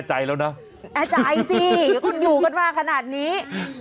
แน่ใจแล้วนะแน่ใจสิคุณอยู่กันมาขนาดนี้